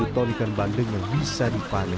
satu ton ikan bandeng yang bisa dipanen